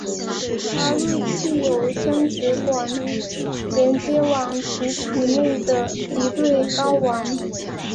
插入器有生殖管连接往其体内的一对睾丸。